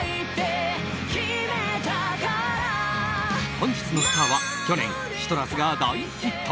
本日のスターは去年、「ＣＩＴＲＵＳ」が大ヒット！